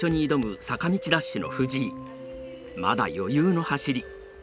まだ余裕の走り。